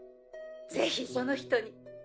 「ぜひその人に」